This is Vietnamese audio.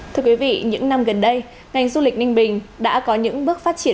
thưa quý vị những năm gần đây ngành du lịch ninh bình đã có những bước phát triển